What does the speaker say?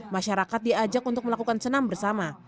masyarakat diajak untuk melakukan senam bersama